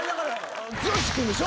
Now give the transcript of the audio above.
剛君でしょ？